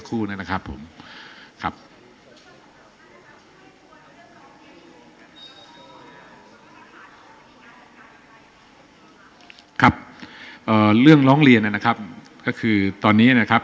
ครับผมเรื่องร้องเรียนนะครับก็คือตอนนี้นะครับ